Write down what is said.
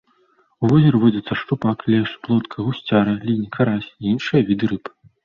У возеры водзяцца шчупак, лешч, плотка, гусцяра, лінь, карась і іншыя віды рыб.